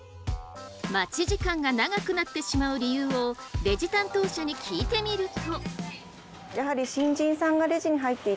待ち時間が長くなってしまう理由をレジ担当者に聞いてみると。